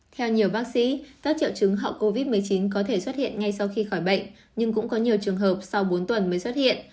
theo nhiều bác sĩ các triệu chứng hậu covid một mươi chín có thể xuất hiện ngay sau khi khỏi bệnh nhưng cũng có nhiều trường hợp sau bốn tuần mới xuất hiện